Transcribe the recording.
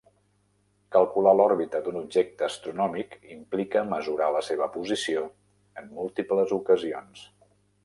Calcular l'òrbita d'un objecte astronòmic implica mesurar la seva posició en múltiples ocasions.